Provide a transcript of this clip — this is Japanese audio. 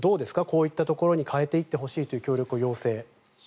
こういったところに変えていってほしいという協力を要請。